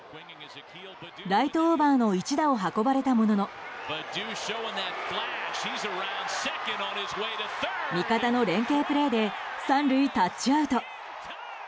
ライトオーバーの一打を運ばれたものの味方の連係プレーで３塁タッチアウト。